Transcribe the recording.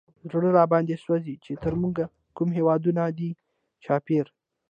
زړه نه راباندې سوزي، چې تر مونږ کوم هېوادونه دي چاپېره